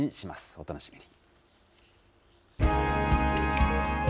お楽しみに。